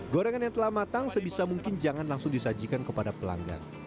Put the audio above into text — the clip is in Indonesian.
gorengan yang telah matang sebisa mungkin jangan langsung disajikan kepada pelanggan